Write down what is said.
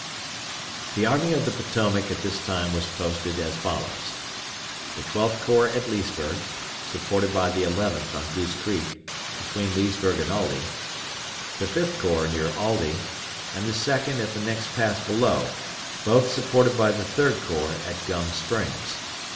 The Army of the Potomac at this time was posted as follows: The Twelfth Corps at Leesburg, supported by the Eleventh on Goose Creek, between Leesburg and Aldie; the Fifth Corps near Aldie, and the Second at the next pass below, both supported by the Third Corps at Gum Springs.